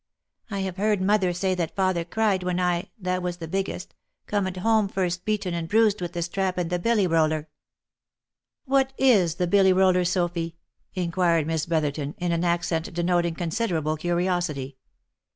I have heard mother say that father cried when I, that was the biggest, com'd home first beaten and bruised with the strap and the billy roller." " What is the billy roller, Sophy," inquired Miss Brotherton, in an accent denoting considerable curiosity.